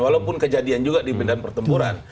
walaupun kejadian juga di bindaan pertempuran